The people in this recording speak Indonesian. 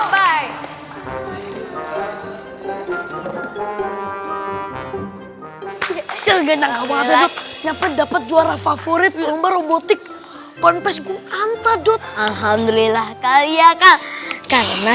hai yang terdapat juara favorit lomba robotik ponpes kumanta dot alhamdulillah kaya kak karena